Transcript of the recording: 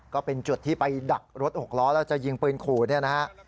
ก็เป็นจุดที่ไปดักรถ๖ล้อแล้วจะยิงปืนขู่เนี่ยนะฮะ